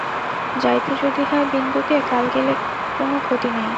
যাইতে যদি হয় বিন্দুকে, কাল গেলে কোনো ক্ষতি নাই।